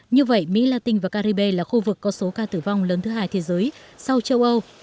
như vậy mỹ latin và caribe là khu vực có số ca tử vong lớn thứ hai thế giới sau châu âu